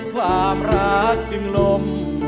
ความรักจึงลม